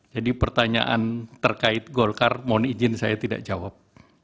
jadi pertanyaan terkait golkar mohon izin saya tidak jawab